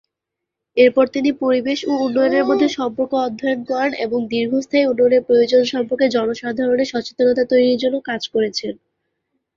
এরপর তিনি পরিবেশ ও উন্নয়নের মধ্যে সম্পর্ক অধ্যয়ন করেন এবং দীর্ঘস্থায়ী উন্নয়নের প্রয়োজন সম্পর্কে জনসাধারণের সচেতনতা তৈরির জন্য কাজ করেছেন।